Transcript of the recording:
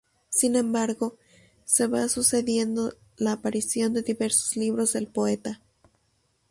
Sin embargo, se va sucediendo la aparición de diversos libros del poeta.